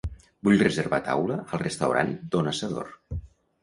Vull reservar taula al restaurant Don Asador.